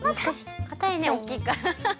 かたいねおおきいから。